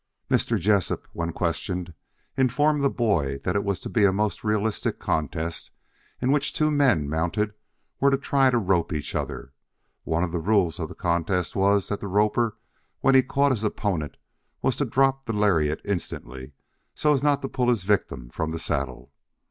Mr. Jessup when questioned informed the boy that it was to be a most realistic contest in which two men mounted were to try to rope each other. One of the rules of the contest was that the roper, when he caught his opponent, was to drop the lariat instantly so as not to pull his victim from the saddle.